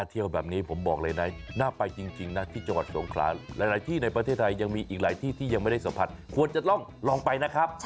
เอาไปเย็นก็กลับได้เลย